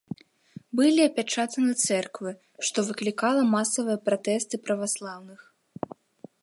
Былі апячатаны цэрквы, што выклікала масавыя пратэсты праваслаўных.